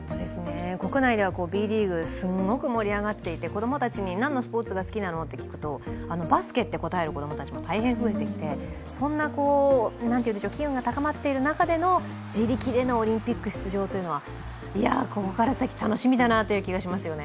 国内ではＢリーグ、すごく盛り上がっていて、子供たちに何のスポーツが好きなのって聞くとバスケって答える子供たちも大変増えてきてそんな機運が高まっている中での自力でのオリンピック出場というのはここから先、楽しみだなという気がしますね。